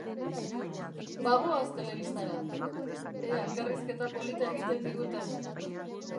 Bagoaz telebistara, ea elkarrizketa polita egiten diguten!